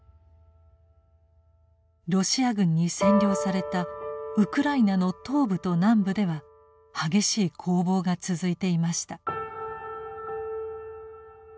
ロシア軍に占領されたウクライナの東部と南部では激しい攻防が続いていました。